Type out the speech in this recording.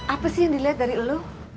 apa sih yang dilihat dari lu